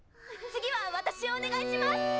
次は私をお願いします！